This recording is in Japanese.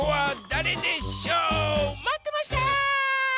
まってました！